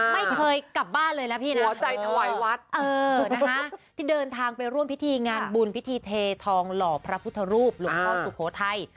ไม่เคยกลับบ้านเลยนะพี่นะขอใจถวายวัดที่เดินทางไปร่วมพิธีงานบุญพิธีเททองหล่อพระพุทธรูปหลวงพ่อสุโขทัย